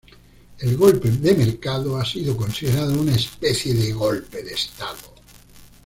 El golpe de mercado ha sido considerado una especie de golpe de Estado.